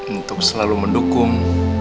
untuk selalu mendukung